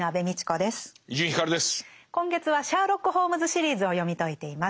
今月は「シャーロック・ホームズ・シリーズ」を読み解いています。